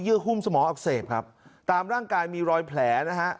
หุ้มสมองอักเสบครับตามร่างกายมีรอยแผลนะฮะ